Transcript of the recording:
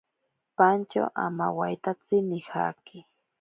Pantyo amawaitatsi nijaki.